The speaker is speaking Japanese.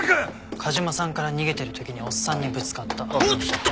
梶間さんから逃げてる時におっさんにぶつかった。